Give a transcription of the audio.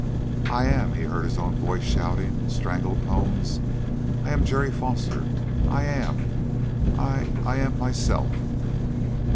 "I am," he heard his own voice shouting in strangled tones, "I am Jerry Foster! I am I ... I am myself!"